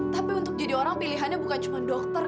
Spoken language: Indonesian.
tapi untuk jadi orang pilihannya bukan cuma dokter